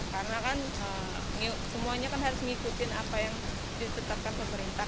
karena kan semuanya harus mengikuti apa yang ditetapkan pemerintah